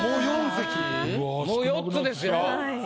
もう４つですよ。